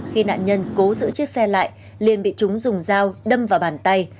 khi nạn nhân cố giữ chiếc xe lại liên bị chúng dùng dao đâm vào bàn tay